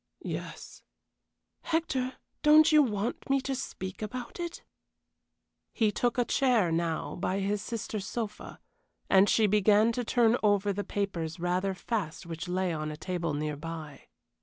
"Yes." "Hector, don't you want me to speak about it?" He took a chair now by his sister's sofa, and he began to turn over the papers rather fast which lay on a table near by.